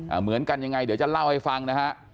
เหมือนกันยังไงเดี๋ยวจะเล่าให้ฟังนะฮะ